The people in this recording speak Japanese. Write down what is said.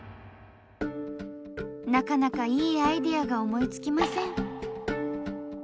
なかなかいいアイデアが思いつきません。